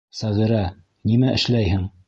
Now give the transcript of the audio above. Сәғирә, нимә эшләйһең?